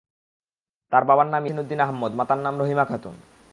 তার বাবার নাম ইয়াসিন উদ্দিন আহম্মদ, মাতার নাম রহিমা খাতুন।